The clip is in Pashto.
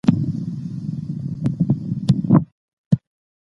کنت د ټولنو په تدریجي بشپړتیا باور درلود.